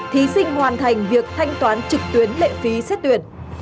thí sinh hoàn thành việc thanh toán trực tuyến lệ phí xét tuyển